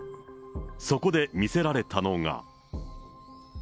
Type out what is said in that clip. そこで見せられたのが。